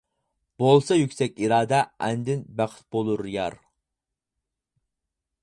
بولسا يۈكسەك ئىرادە، ئاندىن بەخت بولۇر يار.